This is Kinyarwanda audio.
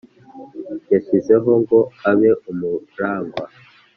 yashyizeho ngo abe umuragwa